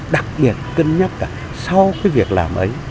đặc biệt cân nhắc cả sau cái việc làm ấy